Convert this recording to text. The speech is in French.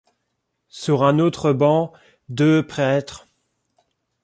Sur un autre banc. Deux prêtres.